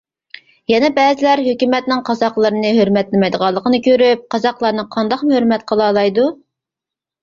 يەنە بەزىلەر ھۆكۈمەتنىڭ قازاقلىرىنى ھۆرمەتلىمەيدىغانلىقىنى كۆرۈپ قازاقلارنى قانداقمۇ ھۆرمەت قىلالايدۇ ؟!